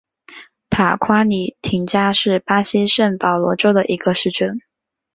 塔夸里廷加是巴西圣保罗州的一个市镇。